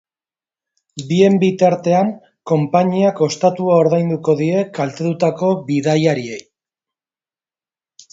Bien bitartean, konpainiak ostatua ordainduko die kaltetutako bidaiariei.